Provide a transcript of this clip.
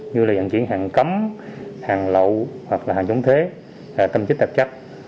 như là vận chuyển hàng cấm hàng lậu hoặc là hàng chống thế tâm trích tạp chất